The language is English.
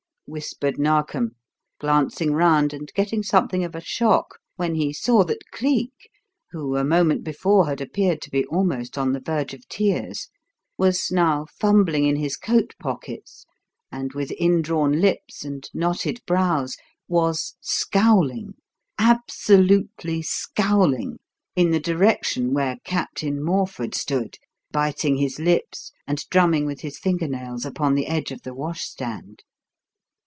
whispered Narkom, glancing round and getting something of a shock when he saw that Cleek, who a moment before had appeared to be almost on the verge of tears, was now fumbling in his coat pockets, and, with indrawn lips and knotted brows, was scowling absolutely scowling in the direction where Captain Morford stood, biting his lips and drumming with his finger nails upon the edge of the washstand.